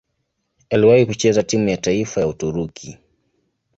Aliwahi kucheza timu ya taifa ya Uturuki.